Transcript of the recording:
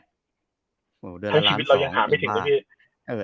ทั้งชีวิตเรายังหาไม่ถึงด้วยพี่